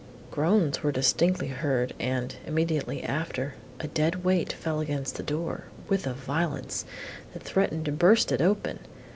Groans were distinctly heard, and, immediately after, a dead weight fell against the door, with a violence, that threatened to burst it open.